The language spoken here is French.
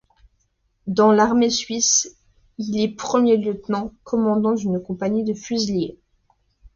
Dans l'armée suisse, il est premier-lieutenant, commandant d'une compagnie de fusiliers.